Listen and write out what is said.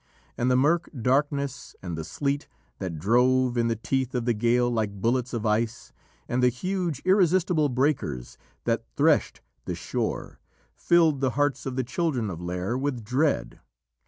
And the mirk darkness and the sleet that drove in the teeth of the gale like bullets of ice, and the huge, irresistible breakers that threshed the shore, filled the hearts of the children of Lîr with dread.